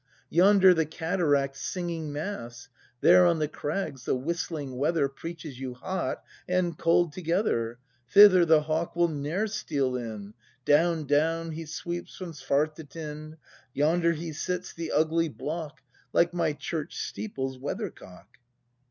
Yonder the cataract's singing Mass; There on the crags the whistling weather Preaches you hot and cold together. Thither the hawk will ne'er steal in; Down, down he sweeps from Svartetind, — Yonder he sits, the ugly block. Like my church steeple's weathercock.